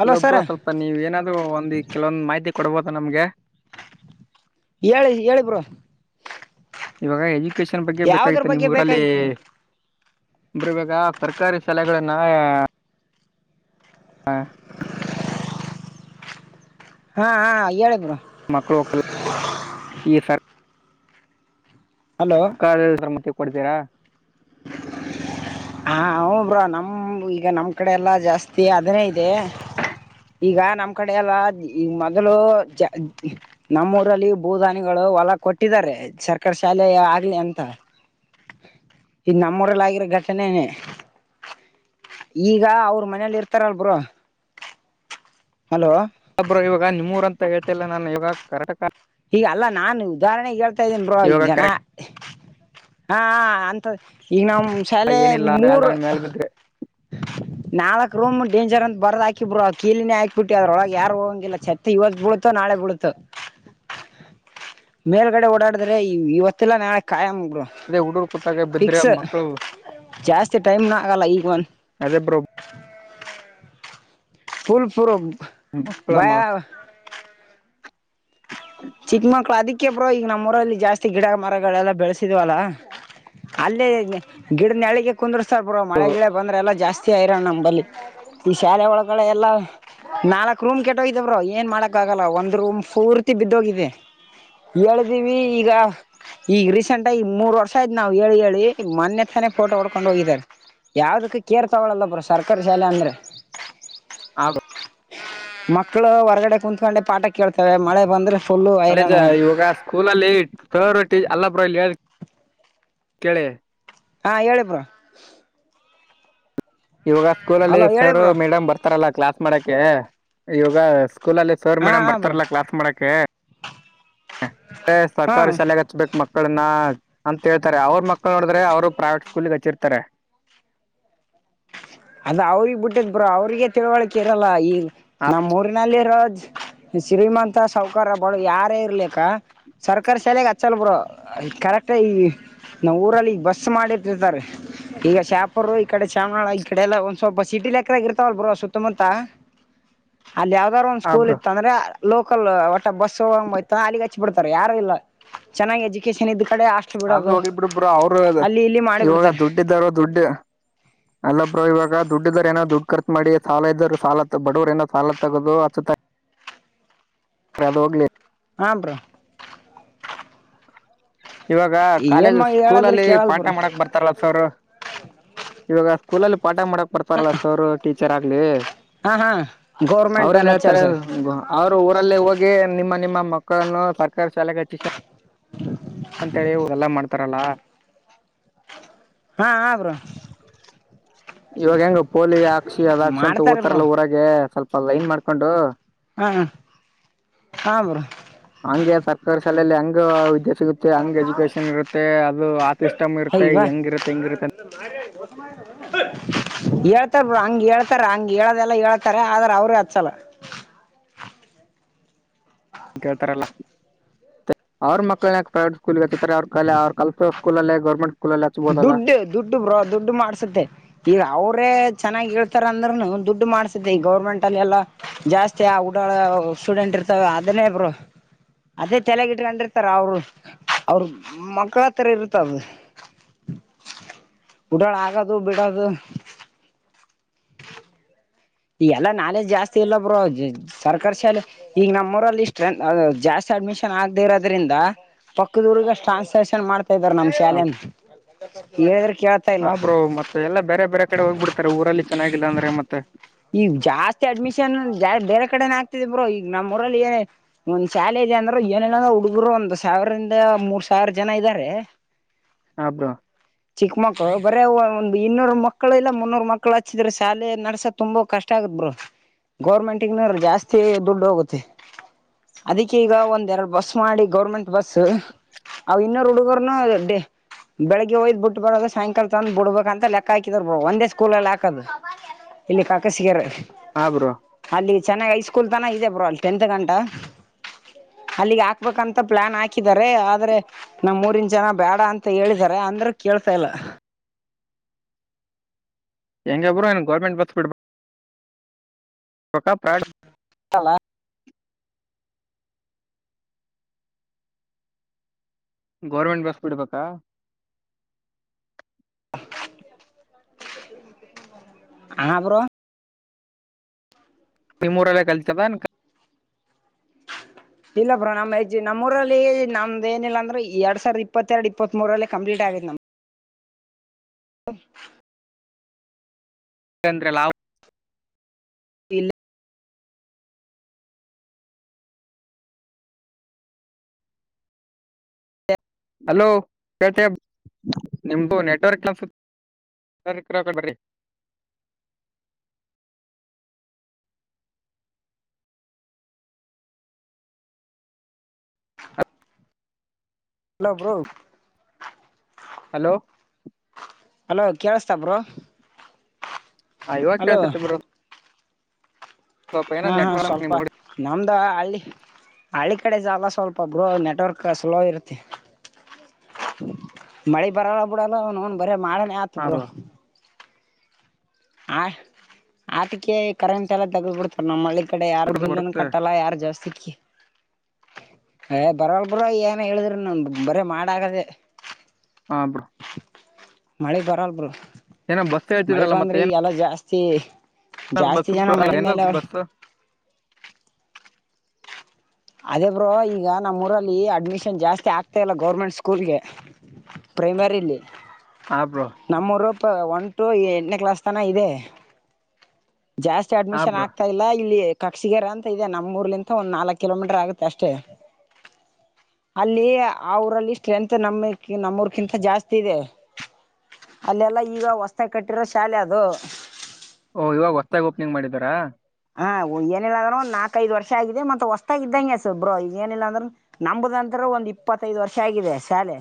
Hello sir ಅಲ್ಲೊಬರು ಸ್ವಲ್ಪ ನೀವ ಏನಾದ್ ಒಂದು ಕೆಲವೊಂದು ಮಾಹಿತಿ ಕೊಡ್ಬೋದ ನಮ್ಗೆ ಹೇಳಿ ಹೇಳಿ ಬ್ರೋ. ಇವಾಗ ಎಜುಕೇಶನ್ ಬಗ್ಗೆ ಯಾವ್ದ್ರ ಬೇಕಾಗಿತ್ತು ನಿಮ್ಮ್ ಬಗ್ಗೆ ಊರಲ್ಲಿ ಬೇಕಾಗಿತ್ತು ಬ್ರೋ ಬರುವರುವಾಗ ಸರ್ಕಾರಿ ಶಾಲೆಗಳನ್ನ ಹಾ ಹಾ ಹ ಹೇಳಿ ಬ್ರೋ. ಮಕೋ [unintelligible] ಈ ಸರ್ ಹಲೋ ಸರ್ಕಾರದಲ್ಲಿ ಸಮತಿ ಕೊಡ್ತೀರಾ ಹ ಹೂ ಬ್ರೋ ನಮ ಈಗ ನಮ್ ಕಡೆ ಎಲ್ಲಾ ಜಾಸ್ತಿ ಅದನೇ ಇದೆ. ಈಗ ನಮ್ ಕಡೆ ಎಲ್ಲ ಈಗ ಮೊದಲು ಜಾ ನಮ್ಮ ಊರಲ್ಲಿ ಭೂದಾನಿಗಳು ಹೊಲ ಕೊಟ್ಟಿದ್ದಾರೆ ಸರ್ಕಾರಿ ಶಾಲೆ ಆಗ್ಲಿ ಅಂತ ಹ [inaudible] ಇದು ನಮ್ಮೂಊರಲ್ಲಗಿರೋ ಘಟನೆ ನೇ. ಈಗ ಅವ್ರ ಮನೇಲಿ ಇರ್ತಾರಲ್ ಬ್ರೋ. ಹಲೋ ಹಬ್ ಇವಾಗ ನಿಮ್ಮೂರ ಅಂತ ಹೇಳ್ತಿಲ್ಲ ನಾನು ಇವಾಗ ಕರಟಕ. ಈಗ ಅಲ್ಲಾ ನಾನ್ ಉದಾಹರಣೆಗೆ ಹೇಳ್ತಾ ಇದ್ದೇನ್ ಬ್ರೋ ಈಗ ಇವಾಗ ಜನ ಹಾ ಹಾ ಅಂತ ಈಗ ನಮ್ಮ್ ಕರೆಕ್ಟ್ ಶಾಲೆ ಮೂರ್ ಏನಿಲ್ಲ ಮೇಲೆ [inaudible] ನಾಲ್ಕ್ ರೂಮ್ ಡೇಂಜರ್ ಅಂತ ಬರುದ್ ಹಾಕಿ ಬ್ರೋ ಕೀಲಿನೇ ಹಾಕ್ಬ ಬಿಟ್ಟಿ ಅದ್ರಳಗ ಯಾರ ಹಂಗಿಲ್ಲಛತ್ತ ಇವತ್ ಬಿಳುತ್ತ ನಾಳೆ ಬೀಳುತೋ ಹ ಮೇಲ್ಗಡೆ ಓಡಾಡಿದ್ರೆ ಇವತ್ತಲ್ಲಾ ನಾಳೆ ಕಾಯಂ ಅದೇ ಹುಡುಗರು ಕೂತಾಗ [unintelligible] ಬಿದ್ರೆ ಪಿಕ್ಸ್ ಮಕ್ಕಳು ಜಾಸ್ತಿ ಟೈಮ್ ನು ಆಗಲ್ಲ ಈ [unintelligible] ಫೂಲ್. [unintelligible] ಮಕ್ಕಳಮ್ಮ. ಚಿಕ್ಕ ಮಕ್ಳು ಅದಕ್ಕೆ ಬ್ರೋ ಈಗ ನಮ್ಮೂ ಊರಲ್ಲಿ ಜಾಸ್ತಿ ಗಿಡ ಮರಗಳೆಲ್ಲಾ ಬೆಳೆಸಿದ್ವಲ್ಲ. ಅಲ್ಲೆ ಗಿಡದ ನೆರಳಿಗೆ ಕುಂದ್ರಸ್ತಾರೆ ಬ್ರೋ ಮಳೆ ಗಿಳೆ ಬಂದ್ರೆ ಎಲ್ಲಾ ಜಾಸ್ತಿ. ಸೇರ ನಂಬಲ್ಲಿ ಈ ಶಾಲೆ ಒಳಗಡೆ ಎಲ್ಲ. ನಾಲ್ಕು ರೂಮ್ ಕೆಟ್ಟೋಗಿದೇ ಬ್ರೋ ಏನ್ ಮಾಡಕ ಆಗಲ್ಲ ಒಂದ್ ರೂಮ್ ಪೂರ್ತಿ ಬಿದ್ದೋಗಿದೆ. ಹೇಳು ಜೀವಿ ಈಗ. ಈಗ ರೀಸೆಂಟ್ ಆಗಿ ಮೂರ್ ವರ್ಷ ಆಯ್ತ್ ನಾವ್ ಹೇಳಿ ಹೇಳಿ ಮೊನೆೆ ತಾನೇ ಫೋಟೋ ಹೊಡ್ಕೊಂಡ್ ಹೋಗಿದಿದ್ದಾರೆ. ಯಾವ್ದಕ್ಕ ಕೇರ್ ತಗೊಳಲ್ಲ ಬ್ರೋ ಸರ್ಕಾರಿ ಶಾಲೆ ಅಂದ್ರೆ. ಹ್ಮ್ಮ್ ಬ್ರೋ. [unintelligible] ಮಕ್ಕಳು ಹೊರ್ಗಡೆ ಕುಂತ್ಕೊಂಡೆ ಪಾಠ ಕೇಳ್ತವೆ ಮಳೆ ಬಂದ್ರೆ. ಫುಲ್ಲು ಅಳೇಜ ಹೈರಾಣ ಇವಾಗ ಸ್ಕೂಲಲ್ಲಿ. ಅಲ್ಲ ಬ್ರೋ ಇಲ್ಲಿ ಹೇಳೋದು ಕೇಳಿ. ಹ್ಮ್ಮ್ ಹೇಳಿ ಬ್ರೋ. ಇವಾಗ ಸ್ಕೂಲಲ್ಲಿ ಹಲೋ ಹೇಳಿ ಸರ್ ಬ್ರೋ ಮೇಡಮ್ ಬರ್ತಾರಲ್ಲ ಕ್ಲಾಸ್ ಮಾಡಕ ಇವಾಗ. ಸ್ಕೂಲ ಅಲ್ಲಿ ಸರ್ ಹಾ ಮೇಡಮ್ ಹಾ ಬ್ರೋ ಬರ್ತಾರಲ್ಲ ಕ್ಲಾಸ್ ಮಾಡಕ್ಕೆೆ. ಹಾ ಸರ್ಕಾರಿ ಶಾಲೆಗೆ ಅಚ್ಚಬೇಕು ಮಕ್ಕಳನ್ನ ಅಂತ ಹೇಳ್ತಾರೆ ಅವ್ರ ಮಕ್. ಅವರು ನೋಡಿದ್ರೆ ಪ್ರೈವೇಟ್ ಸ್ಕೂಲ್ಗೆ ಹಚ್ಚಿರ್ತಾರೆ. ಅದ ಅವ್ರಿಗ್ ಬಿಟ್ಟಿದ್ ಬ್ರೋ ಅವ್ರಿಗೆ ತಿಳುವಳಿಕೆ ಇರಲ್ಲ ಈ ನಮ್ಮ್ ಊರಿನಲ್ಲಿರೋ. ಶ್ರೀಮಂತ ಸಾವುಕಾರ ಯಾರೇ ಇರ್ಲಿಕ್ಕ. ಸರ್ಕಾರಿ ಶಾಲೆೆಗೆ ಹಚ್ಚಲ್ ಬ್ರೋ ಕರೆಕ್ಟ ಈ. ನಾವ ಊರಲ್ಲಿ ಬಸ್ ಮಾಡಿಟ್ಟಿರ್ತಾರೆ ಈಗ ಶಾಹಪೂರ್ ಈ ಕಡೆ ಚಾಮನಾಳ ಆಯತು. ಈ ಕಡೆ ಎಲ್ಲ ಒಂದ್ ಸ್ವಲ್ಪ ಸಿಟಿ ಲೆಕ್ಕದಾಗ್ ಇರ್ತಾವಲ್ ಬ್ರೋ ಸುತ್ತಮುತ್ತ. ಅಲ್ಲಿ ಯಾವ್ದಾರು ಒಂದು ಸ್ಕೂಲ್ ಬ್ರೋ ಇತ್ತಂದ್ರೆ. [unintelligible] ಲೋಕಲ್ ಒಟ್ಟ ಬಸ್ ಹೋಗಂಗೈತೋ ಅಲ್ಲಿಗ್ ಹಚ್ಚಿ ಬಿಡ್ತಾರ ಯಾರು ಇಲ್ಲ ಚೆನ್ನಾಗ್ ಎಜುಕೇಶನ್ ಇದ. ಆದು ಹೋಗಿ ಬಿಡು ಬ್ರೋ ಅವ್ರಿಗ್ ಅದು ಅಲ್ಲಿ ಇಲ್ಲಿ ಇವಾಗ ಮಾಡಿಬಿಡ್ತಾರೆ ದುಡ್ಡಿದ್ದವ್ರ್ ದುಡ್ಡು. ಅಲ್ಲ ಬ್ರೋ. ಬ್ರೋ ಇವಾಗ ದುಡ್ಡ ಇದ್ದಾವ್ರ್ ಏನೋ ದುಡ್ ಖರ್ಚ ಮಾಡಿ ಸಾಲ ಇದ್ದರು ಸಾಲ ತ್ ಬಡವ್ರ್ ಏನೋ ಸಾಲ ತಗದು ಆಚ್ಚ. ಅದೋಗ್ಲಿ. ಹ್ಮ್ಮ್ ಬ್ರೋ. ಇವಾಗ ಏನ್ ಕಾಲೇಜ್ ಮಾ ಹೇಳದ್ರಿ ಸ್ಕೂಲಲ್ಲಿ ಕೇಳಲ್ ಪಾಠ ಬ್ರೋ ಮಾಡಕ ಬರ್ತಾರಲ್ಲ ಸರ್. ಇವಾಗ ಸ್ಕೂಲಲ್ಲಿ ಪಾಠ ಮಾಡಕ್ ಬರ್ತಾರಲ್ಲ ಸರ ಟೀಚರಾಗ್ಲಿ. ಹಾ ಹಾ ಗೌರ್ಮೆಂಟ್ ಅವ್ರೇನ್ ಲೆಕ್ಚರ್ ಹೇಳ್ತಾರೆ ಸರ್ ಹ್ಮ್ಮ್ ಅವ್ರು ಊರಲ್ಲಿ ಹೋಗಿ ನಿಮ್ಮ ನಿಮ್ಮ. ಮಕ್ಕಳನ್ನು ಸರ್ಕಾರಿ ಶಾಲೆಗಚ್ಚಿ ಶಾ. [inaudible] ಅಂತೇಳಿ ಇವಗೆಲ್ಲ ಮಾಡ್ತರಲ್ಲ. ಹಹ್ಮ್ಮ್ ಬ್ರೋ. ಇವಾಗ ಹೆಂಗ್ ಪೋಲಿಯೋ ಹಾಕಸಿ ಅದಾಕ್ಷಿ ಅಂತ ಮಾಡ್ತಾರೆ ಬ್ರೋ ಓತರಲ್ಲ ಊರಗೆ ಸ್ವಲ್ಪ ಲೈನ್ ಮಾಡ್ಕೊಂಡು. ಹ್ಮ್ಮ್ ಹ್ಮ್ಮ್ ಬ್ರೋ. ಹಂಗೆ ಸರ್ಕಾರಿ ಶಾಲೆಯಲ್ಲಿ ಹಂಗ ವಿದ್ಯಾರ್ಥ. ಸಿಗುತ್ತೆ ಹಂಗ್ ಎಜುಕೇಶನ್ ಇರುತ್ತೆ ಅದು ಆ ಸಿಸ್ಟಮ್ ಇರುತ್ತೆ ಅಯ್ವಾ ಹಂಗಿರುತ್ತೆ ಹೆಂಗಿರುತ್ತೆ ಅಂತ್ [unintelligible] ಹೇಳ್ತಾರ ಬ್ರೋ ಹಂಗೇಳ್ತಾರ ಹಂಗ್ ಹೇಳದೆಲ್ಲ ಹೇಳ್ತಾರೆ ಆದ್ರ ಅವ್ರೆ ಅಚ್ಚಲ. [inaudible] ಗೇಳ್ತಾರಲ್ಲ ಅವ್ರ್ ಮಕ್ಳನ್ಯಾಕ್ ಪ್ರೈವೇಟ್ ಸ್ಕೂಲ್ ಹಚ್ಚತಾರೆ ಅವ್ರ್ ಕಲೆ ಅವ್ರ್ ಕಲ. ಸ್ಕೂಲ್ ಲೆ ಗೌರ್ಮೆಂಟ್. ಸ್ಕೂಲಲ್ಲಿ ಹಚ್ಬೋದಲ್ಲ ದುಡ್ಡು ದುಡ್ಡು ಬ್ರೋ ದುಡ್ಡು ಮಾಡ್ಸತ್ತೆ ಈಗ ಅವ್ರ್. [unintelligible] ಚೆನ್ನಾಗಿ ಹೇಳ್ತಾರ ಅಂದ್ರನು ದುಡ್ಡು ಮಾಡ್ಸಿತ್ತೆ ಈ ಗೌರ್ಮೆಂಟ್ ಅಲ್ಲಿ ಎಲ್ಲಾ ಜಾಸ್ತಿ ಆ ಉಡಾಳ. ಸ್ಟೂಡೆಂಟ್ ಇರ್ತಾವ ಅದನೇ ಬ್ರೋ. ಅದೇ ತಲೆಗಿಟ್ಕಂಡಿರ್ತಾರ ಅವ್ರು ಅವ್ರ್ ಮಕ್ಳತ್ರ ಇರುತ್ತದು ಉಡಾಳ್ ಆಗದು ಬಿಡದು ಈ ಎಲ್ಲಾ ನಾಲೆಜ್ ಜಾಸ್ತಿ ಇಲ್ಲ ಬ್ರೋ ಸರ್ಕಾರ್ ಶಾಲೆ ಈಗ ನಮ್ಮೂರಲ್ಲಿ ಸ್ಟ್ರೆಂತ್ ಆ ಆ ಜಾಸ್ ಅಡ್ಮಿಷನ್ ಆಗ್ದೆ ಇರದ್ರಿಂದ ಪಕ್ಕುದೂರ್ಗ ಸ್ಟ್ರಾಂಗ್ ಸೆಷನ್ ಮಾಡ್ ಇದರ್ ನಮ್ ಶಾಲೆನ್ ಏದ್ರ್ ಹಾ ಬ್ರೋ ಮತ್ತೆ ಎಲ್ಲ ಬೇರೆ ಬೇರೆ ಕಡೆ ಹೋಗ್ಬಿಡ್ತಾರೆ ಊರಲ್ಲಿ ಚೆನ್ನಾಗಿಲ್ಲ ಅಂದ್ರೆ ಮತ್ತೆ ಈ ಜಾಸ್ತಿ ಅಡ್ಮಿಷನ್ ಜಾ ಬೇರೆ ಕಡೆನು ಆಗ್ತಿದೆ ಬ್ರೋ ಈಗ ನಮ್ಮ ಊರಲ್ಲಿ ಏ ಒಂದ್ ಶಾಲೆ ಇದೆ ಅಂದ್ರು ಏನಿಲ್ಲ ಹುಡುಗ್ರು ಒಂದ ಸಾವ್ರಿಂದ ಮೂರ್ ಸಾವಿರ ಜನ ಇದ್ದಾರೆ ಹಾ ಬ್ರೋ ಚಿಕ್ಮಕ್ಕಳು ಬರೆ ಓ--ಒಂದ್ ಇನ್ನೂರು ಮಕ್ಕಳು ಇಲ್ಲ ಮುನ್ನೂರು ಮಕ್ಕಳು ಹಚ್ಚಿದ್ರೆ ಶಾಲೆ ನಡ್ಸತ್ ತುಂಬಾ ಕಷ್ಟ ಆಗತ್ ಬ್ರೋ ಗೌರ್ಮೆಂಟಿಂಗ್ನವ್ರಿಗ್ ಜಾಸ್ತಿ ದುಡ್ಡು ಹೋಗುತ್ತೆ ಅದಕ್ಕೆ ಈಗ ಒಂದ್ ಎರಡು ಬಸ್ ಮಾಡಿ ಗೌರ್ಮೆಂಟ್ ಬಸ್ಸ್ ಅವ ಇನ್ನೊರುಡುಗುರ್ನು ಡೇ ಬೆಳಗ್ಗೆ ಹಯಿದ್ ಬುಟ್ಟು ಬರೋದು ಸಾಂಯ್ಕಲ ತಂದ್ ಬುಡ್ಬೇಕ್ ಅಂತ ಲೆಕ್ಕ ಹಾಕಿದ್ರ್ ಬ್ರೋ ಒಂದೇ ಸ್ಕೂಲಲ್ ಹಾಕದು ಇಲ್ಲಿ ಕಾಕ ಸಿಗೇರದ್ ಹಾ ಬ್ರೋ ಚೆನ್ನಾಗ್ ಐ ಸ್ಕೂಲ್ ತನ ಇದೆ ಬ್ರೋ ಅಲ್ ಟೆಂತ್ ಗಂಟ ಅಲ್ಲಿಗೆ ಹಾಕ್ಬೇಕಂತ ಪ್ಲಾನ್ ಹಾಕಿದ್ದಾರೆ ಆದ್ರೆ ನಮ್ಮೂರಿನ್ ಜನ ಬ್ಯಾಡ ಅಂತ ಹೇಳಿದ್ದಾರೆ ಅಂದ್ರ ಕೇಳ್ತಾ ಇಲ್ಲ ಹೆಂಗೆ ಬ್ರೋ ಏನು ಗೌರ್ಮೆಂಟ್ ಬಸ್ ಬಿಡ್ಬಕ್ ಬಕ ಪ್ರಾಡ್ ಗೌರ್ಮೆಂಟ್ ಬಸ್ ಬಿಡ್ಬೇಕಾ ಹಾ ಬ್ರೋ ಈ ಮೂರಲ್ಲೇ ಕಲ್ತ್ಕಬಂದ್ ಹ ಇಲ್ಲ ಬ್ರಾ ನ್ಜ್ ನಮ್ಮ ಊರಲ್ಲಿ ನಮ್ದ ಏನಿಲ್ಲ ಅಂದ್ರೆ ಎರಡ್ ಸಾವಿರದ ಇಪ್ಪತ್ತೆರಡ್ ಇಪ್ಪತ್ತ್ ಮೂರಲ್ಲಿ ಕಂಪ್ಲೀಟ್ ಆಗು ಹ ಯಂದ್ರೆ ಲಾ ಇಲ್ಲ ಹಲೋನಿಮ್ದು ನೆಟ್ವರ್ಕ್ನ್ಸ ಸರಿ ಕ ಹಕೊಂಡಬ್ರಿ ಹಲೋ ಬೂ ಹಲೋ ಹಲೋ ಕೇಳಸ್ತಾಬ್ರು ಹಾ ಇವಾಗ ಕೆಸತ್ತ ಬರೋ ಹಾ ಹಾ ಸ್ವಲ್ಪ ನಿಮ್ ನಮ್ದ ಹಳ್ಳಿ ಹಳ್ಳಿ ಕಡೆ ಜಾಲ ಸ್ವಲ್ಪ ಬ್ರೋ ನೆಟ್ವರ್ಕ್ ಸ್ಲೋ ಇರುತ್ತೆ ಮಳೆ ಬರಲ್ಲ ಬಿಡಲ್ಲ ಅವನ್ ಬರ ಮಾಡನ ಆತ್ ಹಾ ಬರು ಬ್ರೋ ಆ ಆತಿಕ ಕರೆಂಟ್ ಎಲ್ಲ ತಗಬ ಬಿಡ್ತಾರೆ ನಮ್ಮಳ್ಳಿಗೆ ಈ ಕಡೆ ಯಾರು ಬಿಲ್ಲನ್ನು ಬರುತ್ತೆ ಕಟ್ಟಲ್ಲ ಯಾರು ಜಾಸ್ತಿ ಏ ಬರವಲ್ ಬರ ಏನ್ ಹೇಳಿದ್ರಿ ನ ಬರ ಮಾಡಾಗದೆೇ ಹಾ ಬ್ರೋ. ಮಳೆ ಬರಲ್ರು ಏನೋ ಬಸ್ ಮಳೆ ಹೇಳ್ತಿದ್ರಲ್ಲ ಮತ್ತೆ ಬಂದ್ರಿ ಏನ್ ಎಲ್ಲ ಜಾಸ್ತಿ ಜಾಸ್ತಿ ಜನ ಮಳೆ ಮೇಲೆ ಬಸ್ ಅವರು ಬಸ್ ಅದೇ ಬ್ರೋ ಈಗ ನಮ್ಮ ಊರಲ್ಲಿ ಅಡ್ಮಿಷನ್ ಜಾಸ್ತಿ ಆಗ್ತಾ ಇಲ್ಲ ಗೌರ್ಮೆಂಟ್ ಸ್ಕೂಲ್ಗೆ ಪ್ರೈಮರಿ ಇಲ್ಲಿ ಆಬ್ರೋ ಇ ಒನ್ ಟು ಎಂಟನೇ ಕ್ಲಾಸ್ ತನ ಇದೆ ಜಾಸ್ತಿ ಹಾ ಅಡ್ಮಿಷನ್ ಬ್ರೋ ಆಗ್ತಾ ಇಲ್ಲ ಇಲ್ಲಿ ತಕ್ಷಿಗೆರೆ ಅಂತ ಇದೆ ನಮ್ಮೂರಲ್ಲಿ ಅಂತ ಒಂದು ನಾಲ್ಕು ಕಿಲೋಮೀಟರ್ ಆಗುತ್ತೆ ಅಷ್ಟೇ. ಅಲ್ಲಿ ಆ ಊರಲ್ಲಿ ಸ್ಟ್ರೆಂಗ್ತ್ ನಮ ನಮ್ಮೂರ್ಕಿಂತ ಜಾಸ್ತಿ ಇದೆ. ಅಲ್ಲೆಲ್ಲ ಈಗ ಹೊಸ್ತಾಗಿ ಕಟ್ಟಿರೋ ಶಾಲೆ ಅದು. ಓಹ್ ಇವಾಗ ಹೊಸದಾಗಿ ಓಪನಿಂಗ್ ಮಾಡಿದಾರಾ. ಹಾ ಏನಿಲ್ಲ ಅಂದ್ರು ಒಂದು ನಾಕ್ಕೈದು ವರ್ಷ ಆಗಿದೆ ಮತ್ತ ಹೊಸ್ತಾಗಿ ಇದ್ದಂಗೆ ಸೊ ಬ್ರೋ ಈಗ ಏನಿಲ್ಲ ಅಂದ್ರು ನಂಬುದಂತ. ಬ್ರೋ ಒಂದ್ ಇಪ್ಪತ್ತೈದು ವರ್ಷ ಆಗಿದೆ ಶಾಲೆ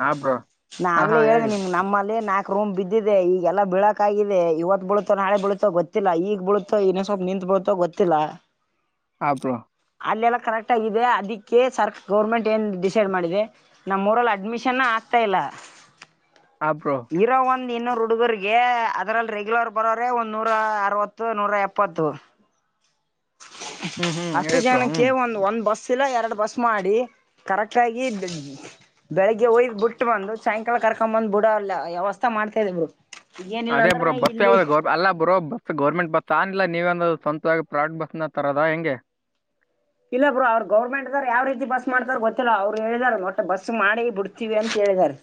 ಹಾ ಬ್ರೋ ನಾ ಹಾ ಹಾ ಆಗ್ಲೇ ಹೇಳಿದೆ ಹೇಳಿ ನಿಮ್ಗೆ ನಮ್ಮಲ್ಲಿ ನಾಲ್ಕು. ರೂಮ್ ಬಿದ್ದಿದೆ ಈಗ ಎಲ್ಲ ಬಿಳಕ್ ಆಗಿದೆ ಇವತ್ತು ಬಳುತ್ತೋ ನಾಳೆ ಬೀಳುತ್ತೋ ಗೊತ್ತಿಲ್ಲ ಈಗ ಬಳುತ್ತೋ ಇನ್ನು. ಸ್ವಲ್ಪ ನಿಂತ್ ಬೀಳುತೋ ಗೊತ್ತಿಲ್ಲ. ಹಾ ಬ್ರೋ. ಅಲ್ಲೆಲ್ಲ ಕರೆಕ್ಟಾಗಿದೆ ಅದಕ್ಕೆ ಸರ್ ಗೌರ್ಮೆಂಟ್ ಏನ್ ಡಿಸೈಡ್ ಮಾಡಿದೆ ನಮ್ ಊರಲ್ಲಿ ಅಡ್ಮಿಷನ್. ತೈಲ. ಹಾ ಬ್ರೋ. ಇನ್ನೂರ್ ಹುಡುಗರ್ರಿಗೆ ಅದ್ರಲ್ಲಿ ರೆಗ್ಯುಲರ್ ಬರೋರೆ ಒಂದ್ ನೂರ ಅರವತ್ತು ನೂರ ಎಪ್ಪ. ಇಪ್ಪತ್ತು ಹ್ಮ್ ಹ್ಮ್ ಅಷ್ಟು ಹೇಳಿ ಬ್ರೋ ಜನಕ್ಕೆ ಹ್ಮ್ ಒಂದು ಒಂದ್ ಬಸ್. ಇಲ್ಲ ಎರಡ್ ಬಸ್ ಮಾಡಿ ಕರೆಕ್ಟಾಗಿ ಬೆಳಿಗ್ಗೆ ಹೊಯ್ದು ಬಿಟ್ಟ ಬಂದು ಸಾಯಂಕಾಲ ಕರ್ಕೊಂಡ್ ಬಂದ್ ಬಿಡ ವ್ಯವಸ್ಥಾ ಮಾಡ್ತಾ ಇದೀವಿ. ಅದೇ ಬ್ರೋ ಬಸ್ ಯಾವ್ದ ಗೌ ಅಲ್ಲಾ ಬ್ರೋ ಬಸ್ ಗೌರ್ಮೆಂಟ್ ಬಸ್ಸಾ. ಇಲ್ಲ ನೀವೇನಾದ್ರು ಸ್ವಂತವಾಗಿ ಪ್ರಾಡ್ ಬಸ್ನ ತರದ ಹೆಂಗೆ. ಇಲ್ಲ ಬ್ರೋ ಅವರು ಗೌರ್ಮೆಂಟ್ದರ್ ಯಾವ್ ರೀತಿ ಬಸ್ ಮಾಡತಾರ ಗೊತ್ತಿಲ್ಲ ಅವ್ರು ಹೇಳ್ಯಾರಲ್ಲ ಒಟ್ಟು ಬಸ್ ಮಾಡಿ ಬಿಡ್ತೀವಿ ಅಂತ. ಹೇಳಿದಾರೆ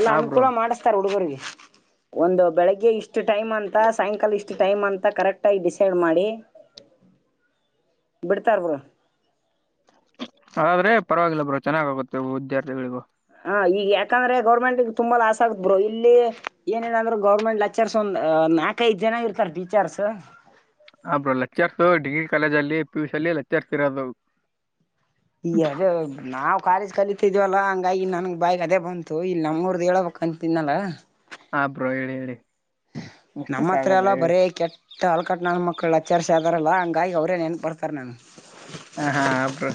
ಎಲ್ಲ ಹಾ ಬ್ರೋ ಅನುಕೂಲ ಮಾಡಿಸ್ತಾರ ಹುಡುಗರಿಗೆ. [inaudible] ಒಂದು ಬೆಳಿಗ್ಗೆ ಇಷ್ಟು ಟೈಮ್ ಅಂತ ಸಾಯಂಕಾಲ ಇಷ್ಟು ಟೈಮ್ ಅಂತ ಕರೆಕ್ಟ್ ಆಗಿ ಡಿಸೈಡ್ ಮಾಡಿ. [inaudible] ಬಿಡ್ತಾರ ಬ್ರೋ. ಆದ್ರೆ ಪರವಾಗಿಲ್ಲ ಬ್ರೋ ಚೆನ್ನಾಗಿ ಆಗುತ್ತೆ ವಿದ್ಯಾರ್ಥಿಗಳಿಗೂ. ಹ ಈಗ ಯಾಕಂದ್ರೆ ಗೌರ್ಮೆಂಟ್ ಗೆ ತುಂಬಾ ಲಾಸ್ ಆಗತ್ ಬ್ರೋ ಇಲ್ಲಿ ಏನಿಲ್ಲ ಅಂದ್ರು ಗೌರ್ಮೆಂಟ್ ಲೆಕ್ಚರ್ಸ್ ಒಂದ. ಅ ನಾಲ್ಕ ಐದು ಜನ ಇರ್ತಾರೆ ಟೀಚರ್ಸ್. ಆ ಬ್ರೋ ಲೆಕ್ಚರ್ಸ್ ಡಿಗ್ರಿ ಕಾಲೇಜ್ ಅಲ್ಲಿ ಪಿಯುಸಿ ಅಲ್ಲಿ ಲೆಕ್ಚರ್ಸ್ ಇರೋದು. [unintelligible] ನಾವು ಕಾಲೇಜ್ ಕಲಿತಿ. ದಿವಲ್ಲ ಹಂಗಾಗಿ ನನ್ಗ ಬಾಯಗ್ ಅದೇ ಬಂತು ಇಲ್ಲಿ ನಮ್ಮೂರ್ದ ಹೇಳ್ಬೇಕ್ ಅಂತಿದ್ನ್ಯಲ್ಲ. ಹ ಬ್ರೋ ಹೇಳಿ ಹೇಳಿ. ನಮ್ಮ ಮಿಸ್ಟೇಕ್ ಹತ್ರ ಆಗಲ್ಲ ಎಲ್ಲ ಹೇಳಿ ಬರೆ ಕೆಟ್ಟ ಹಲ್ಕಟ್ಣ ನನ್ ಮಕ್ಕಳ ಲೆಕ್ಚರ್ಸೀ ಅದಾರಲ್ಲ ಹಂಗಾಗಿ ಅವರೇ ನೆನಪ ಬರ್ತಾರೆ ನನ್ಗ. ಹ ಹಾ ಬ್ರೋ.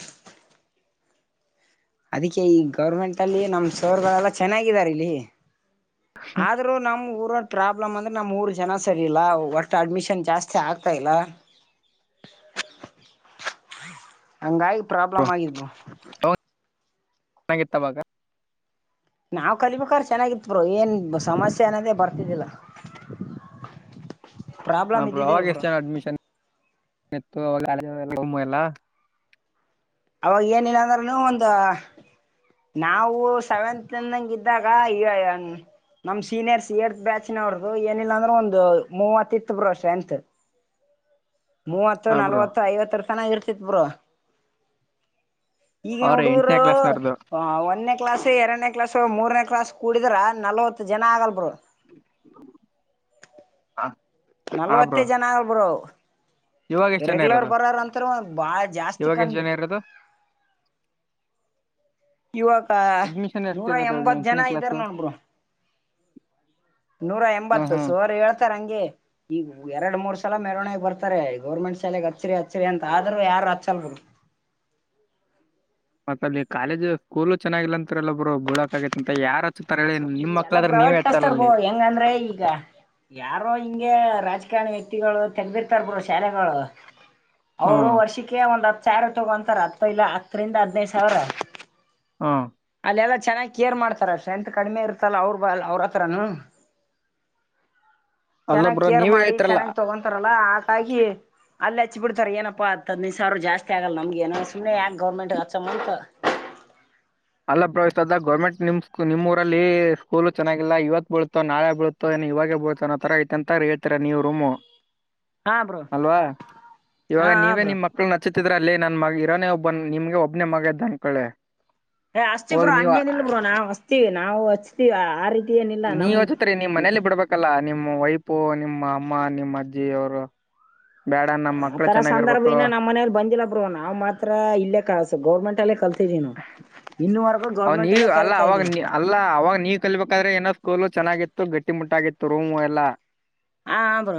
ಅದಕ್ಕೆ ಈ ಗೌರ್ಮೆಂಟ್ ಅಲ್ಲಿ ನಮ್ ಸರ್ ಅದರಲಾ ಚೆನ್ನಾಗಿದಾರೆ ಇಲ್ಲಿ. ಆದ್ರೂ ನಮಗೂ. ಬ್ರೋ ಪ್ರಾಬ್ಲಮ್ ಅಂದ್ರೆ ನಮ್ಮೂರ್ ಜನ ಸರಿ ಇಲ್ಲಾ ಒಟ್ಟು ಅಡ್ಮಿಷನ್ ಜಾಸ್ತಿ ಆಗ್ತಾ ಇಲ್ಲ. ಹಂಗಾಗಿ ಪ್ರಾಬ್ಲಮ್ ಆಗಿದೆ ಬ್ರೋ. ಚನ್ನಾಗಿತ್ತವಾಗ. ನಾವ್ ಕಲಿಬೇಕಾದ್ರ ಚೆನ್ನಾಗಿತ್ ಬ್ರೋ ಏನ್ ಸಮಸ್ಯೆ ಅನದೇ ಬರ್ತಿದ್ದಿಲ್ಲ [inaudible] ಹ ಪ್ರಾಬ್ಲಮ್ ಬ್ರೋ ಇದ್ದಿದ್ದಿಲ್ಲ ಅವಾಗ ಎಷ್ಟು ಜನ ಅಡ್ಮಿಷನ್ [inaudible] ಎಲ್ಲ. ಅವಾಗ ಏನಿಲ್ಲ ಅಂದ್ರನು ಒಂದ. ನಾವು ಸೆವೆಂತ್ಂದಂಗ ಇದ್ದಾಗ ಇ. ನಮ್ ಸೀನಿಯರ್ಸ ಏಟ್ತ್ ಬ್ಯಾಚ್ ನ ಅವ್ರದು ಏನಿಲ್ಲಾಂದ್ರು ಒಂದು ಮೂವತ್ ಇತ್ತು ಬ್ರೋ ಸ್ಟ್ರೆಂಗ್ತ್. [inaudible] ಮೂವತ್ತು ಹಾ ಬ್ರೋ ನಲ್ವತ್ತು ಐವತ್ತರ ತನಾ ಇರ್ತಿತ್ ಬ್ರೋ. ಈಗನ್ ಅವ್ರ ಹುಡುಗರು ಎಂಟನೇ ಕ್ಲಾಸ್ನವ್ರದ್ದು ಒಂದನೇ ಕ್ಲಾಸೇ ಎರಡನೇ ಕ್ಲಾಸ್. ಮೂರನೇ ಕ್ಲಾಸ್ ಕೂಡಿದ್ರ ನಲ್ವತ್ತು ಜನ ಆಗಲ್ ಬ್ರೋ. ಹಾ ನಲ್ವತ್ತೈ ಬ್ರೋ ಜನ ಅಲ್ಬರು ಇವಾಗ ಎಷ್ಟು ಜನ ರೆಗ್ಯುಲರ್ ಇರೋದು ಬರಾರ ಅಂತರ ಒ ಬಾಳ ಜಾಸ್ತಿ ಇವಾಗ ಎಷ್ಟು ಕಮ್ಮಿ ಜನ ಇರೋದು ಇವಕ ಅಡ್ಮಿಷನ್ ನೂರ ಎಷ್ಟಿರೋದು ಎಂಬತ್ ಜನ ಎಂಟನೇ ಇದ್ದಾರ ಕ್ಲಾಸ್ ನೋಡ್ಬರು ನೂರಾ ಹ್ಮ್ ಎಂಬತ್ತು ಹ್ಮ್ ಸೋರ್ ಹೇಳ್ತಾರಂ ಈಗ ಎರಡ್ ಮೂರ್ ಸಲ ಮೆರವಣಿಗೆಾಗ ಬರ್ತಾರೆ ಗೌರ್ಮೆಂಟ್ ಶಾಲೆೆಗೆ ಹಚ್ಚರಿ ಹಚ್ಚರಿ ಅಂತ ಆದ್ರರು ಯಾರು ಹಚ್ಚಲ್ರು ಮತ್ತ ಅಲ್ಲಿ ಕಾಲೇಜು ಸ್ಕೂಲು ಚನ್ನಾಗಿಲ್ಲ ಅಂತರಲ್ಲೊಬ್ರು ಬೀಳಕ ಆಗೈತ್ಂತ ಯಾರ ಈ ಎಲ್ಲಾ ಪ್ರೈವೇಟ್ ಕಸ್ತರ್ಗೋ ಹೆಂಗ ಅಂದ್ರೆ ಈಗ ಯಾರೋ ಹಿಂಗ ರಾಜ ವ್ಯಕ್ತಿಗಳು ತೆಗದಿರ್ತಾರರು ಶಾಲೆಗಳು ಅವರು ಹ್ಮ್ ವರ್ಷಕ್ಕೆ ಒಂದ್ ಹತ್ತು ಚಾರು ತಗೊಂತಾರ ಅಪ್ಪ ಇಲ್ಲ ಹತ್ತರಿಂದ ಹದ್ನೈದು ಸಾವಿರ ಹ್ಮ್ ಅಲ್ಲ ಎಲ್ಲಾ ಚೆನ್ನಾಗ್ ಕೇರ್ ಮಾಡ್ತಾರ ಸ್ಟ್ರೆಂತ್ ಕಡಿಮೆ ಇರ್ತಲ್ಲ ಅವ್ರರು ಬ ಅವ್ರತ್ರನು ಅಲ್ಲ ಚೆನ್ನಾಗ್ ಬ್ರೋ ಕೇರ್ ನೀವೇ ಮಾಡಿ ಹೇಳ್ತಿರಲ್ಲ ಚೆನ್ನಾಗ್ ತಗೊಂತಾರಲ್ಲ ಆಟಾಗಿ ಅಲ್ಲಿ ಹಚ್ಚಿ ಬಿಡ್ತಾರೆ ಏನಪ್ಪ ಹದಿನೈದುಾವಿರ ಜಸ್ ಆಗಲ್ಲ ನಮಗೆ ಏನ ಸುಮ್ಮನೆ ಯಾಕ ಗೌರ್ಮಂಟ್ಗೆ ಹಚ್ಚೋ ಅಂತ ಅಲ್ಲ ಪ್ರವೇಶ್ತದ ಗರ್ಮೆಂಟ್ಮ್ ನಿಮ್ಮ ಊರಲ್ಲಿ ಸ್ಕೂಲ್ ಚೆನ್ನಾಗಿಲ್ಲ ಇವತ್ ಬೀಳತ ನಳೆ ಬೀಳುತ್ತೋ ಏ ಇವ ಬೋತ ಆ ತರ ಆಐತೆ ಅಂತ ಹೇಳ್ತಾರೆ ನೀವುೂಮ್ ಹಾ ಬ್ರೋ ಅಲ್ವಾ ಇವಾಗ ಹಾ ಹಾ ನೀವೇ ಬ್ರೋ ನಿಮ್ ಮಕ್ಕಳ ನಚ್ಚ ಹತಿದ್ರ ಅಲ್ಲಿೇ ನನ್ ಮಗ ಇರೋನೇ ಒಬ್ಬ ನಿಮ್ಗೆ ಒಬ್ನೇ ಮಗ ಇದ್ದ ಅಂಕೊಳ್ಳೆ ಏ ಅಸ್ತಿೀ ಬ್ರೋ ಹಂಗೇನ ಇಲ್ ಬೋ ನಾ್ ಅಚ್ತೀವಿ ನಾವು ಹಚ್ತತಿವಿ ಆ ರೀತಿ ಏನಿಲ್ಲ ನೀವ್ ನಮ್ ಅಚತ್ರಿ ನೀ್ ಮನೇಲಿ ಬಿಡ್ಬೇಕಲ್ಲ ನಿಮ್ಮ ವೈಪು ನಿಮ್ಮ ಅಮ್ಮ ನಿಮ್ಮ ಅಜ್ಜಿ ಅವರು ಬೇಡ ನಮ್ ಮಕ್ಳು ಆತರ ಸಂದರ್ಭ ಚೆನ್ನಾಗಿರ್ಬೇಕು ಇನ್ನ ನಮ್ಮ ಮನೇಲಿ ಬಂದಿಲ್ಲ ಬ್ರೋ ನಾ್ ಮಾತ್ರ ಇಲ್ಲೇ ಕಲ್ಸು ಗೌರ್ಮೆಂಟ್ ಅಲ್ಲೇ ಕಲ್ಸ ಸನು ಇನ್ನು ಮರ ಅವ ನೀ ಅಲ್ಲ ಅವಾಗ ಅಲ್ಲ ಅವಾಗ ನೀವ ಕಲ್ಬೇಕಾದ್ರೆ ಏನಕೋಲು ಚೆನ್ನಾಗಿತ್ತು ಗಟ್ಟಿ ಮುಟ್ಟಾಗಿತ್ತು ರೂಮ ಎಲ್ಲ ಹಾ ಅ್ರು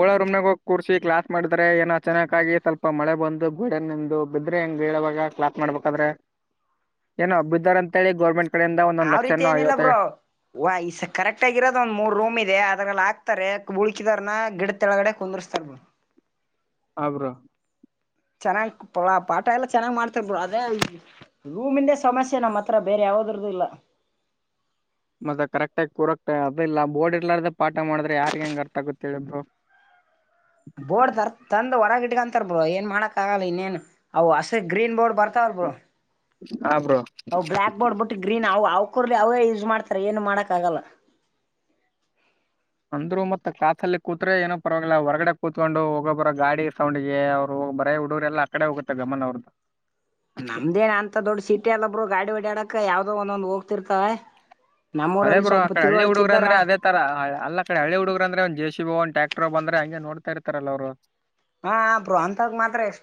ಓಳ ರೂಮ್ನಾಗ ಹೋಗಿ ಕೂರ್ಿ ಕ್ಲಾಸ್ ಮಾಡಿದ್ರೆ ಏನೋ ಚೆನ್ನಾಗಿ ಸ್ವಲ್ಪ ಮಳೆ ಬಂದು ಗೋಡ ನಿಂದು ಬಿದ್ರೆ ಹೆಂಗಗೆ ಾಗ ಕ್ಲಾಸ್ ಮಾಡ್ಬೇಕಾದ್ರೆ ಏನೋ ಹಬ್ಬ ಇದಾರ ಅಂತಿ ಗೌರ್ಮೆಂಟ್ ಕಡೆಯಿಂದ ಒಂದೊಂದ್ ಆಾವ್ ರೀತಿ ಲಕ್ಷನೋ ಏನಿಲ್ಲ ಐವತ್ತ ಬ್ರೋ ವ ಈಸ ಕರೆಕ್ಟ್ ಆಗಿರೋದ ಒಂದ್ ಮೂರ್ ರೂಮ್ ಇದೆ ಅದ್ರಲ್ಲ ಹಾತಾರೆ ಉಳ್ಕಿದಾರನ ಗಿಡ ತಳಗಡೆ ಕುಂದರ್ಸ್ತಾರ ಆ್ರ ಚೆನ್ನ ಪೊಲಾ ಪಾಟ್ ಎಲ್ಲ ಚೆನ್ನಾಗಿ ಮಾಡ್ತಿರ್ಬ ಅದೇ ರೂಮಿಂದೇ ಸಮಸ್ಯೆ ನಮ್ಮ್ ಹತ್ರ ಬೇರೆ ಯಾವದ್ರದ್ದು ಇಲ್ಲ ಮತ್ತೆ ಕರೆಕ್ಟ ಆಗಿ ಕೂರಕ್ ಅದ ಇಲ್ಲ ಬೋರ್ಡ್ ಇರ್ಾರ್ದ ಪಾಠ ಮಾಡಿದ್ರೆ ಯಾರ್ಗ್ ಹೆಂಗ ಅರ್ಥ ಆಗತ್ತ ಹೇಳಿದ್ರು ಬೋರ್ಡ್ ತರ್ ತಂದ ಹೊರಗಿಟ್ಕಂತ ಂತರ್ ಬ್ರೋ ಏನ್ ಮಾಡಾಕ್ಾಗಗಲ್ಲ ಇನ್ನೇನ್ ಅವು ಹಸ ಗ್ರೀನ್ ಬೋರ್ಡ್ ಬರ್ತಾವಲ್ ಬ್ರೋ ಹಾ ಬ್ರೋ ಅವ ಬ್ಲಯಾಕ್ ಬೋರ್ಡ್ ಬಿಟ್ಟು ಗ್ರೀನ್ ಅವು ಅವಕೂರ್ಲಿ ಅವೇ ಯೂಸ್ ಮಾಡ್ತ ತ್ರ ಏನು ಮಾಡಕ್ಕ ಆಗಲ್ಲ ಅಂದ್ರು ಮತ್ತತ್ ಕಾಸಲ್ಲಿ ಕೂತ್ರೆೆ ಏನ ಪರವಾಗಿಲ್ಲ ಹೊರಗಡೆ ಕೂತ್ಕೊಂಡು ಹೋಗೊಬ್ಬರ ಗಾಡಿ ಸೌಂಡ್ಿಗೆ ಅವ್ರು ಬರೇ ಹಡು್ರರೆಲ್ಲ ಕಡೆ ಹೋಗುತ್ತೆ ಗಮನನ್ ಅವ್ರದ್ದ ನಮ್ದೇನ ಅಂತ ದೊಡ್ಡ ಸಿಟಿ ಎಲ್ಲೊಬ್ರು ಗಾಡಿ ಓಡ್ಯಾಡಕ ಯಾವ್ದೋ ಒಂದೊಂದ್ ಹೋಗ್ತಿರ್ತಾವ ಅದೇ ಬ್ರೋ ಅಕಡೆ ಹಳ್ಳ ಹುಡುಗ್ರ ಅ್ರ ಅದೇ ತರ ಅ ಕಡೆ ಹಳ್ಳಿ ಹುಡುಗ್ರ ಅ್ರೆ ಒಂದ ಜ ಸಿ ಬೋ ಒ್ ಟ್ಯಾಕ್ರ್ ಬ್ರ ಹಂಗಗೆ ಈಗ ನೋಡ್ತಾ ಇರ್ತಾರಲ್ಲ ಅವ್ರು ಹಾ ಪ್ರಾಂತಾಗ ಮಾತ್ರ ಎಷ್ಟ